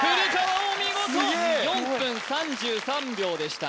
お見事「４分３３秒」でした